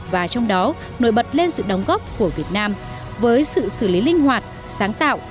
và trong đó nổi bật lên sự đóng góp của việt nam với sự xử lý linh hoạt sáng tạo